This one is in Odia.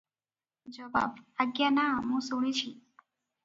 ଜବାବ - ଆଜ୍ଞା ନା, ମୁଁ ଶୁଣିଛି ।